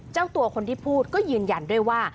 เจ้าตัวคนที่พูดก็ยืนยันด้วยว่า